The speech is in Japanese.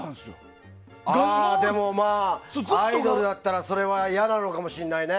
でも、アイドルだったらそれはいやかもしれないね。